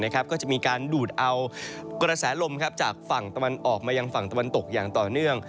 ก็จะมีการดูดเอากระแสลมจากฝั่งตะวันออกมายังฝั่งตะวันตกอย่างต่อเนื่อง